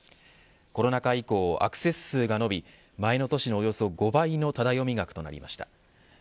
コロナ禍以降、アクセス数が伸び前の年のおよそ５倍のタダ読み額となりました。